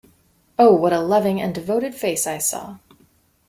Oh, what a loving and devoted face I saw!